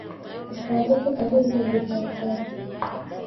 Taarifa sahihi ya bidhaa zake